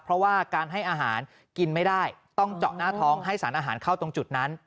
เพราะว่าการให้อาหารกินไม่ได้ต้องเจาะหน้าท้องให้สารอาหารเข้าตรงจุดนั้น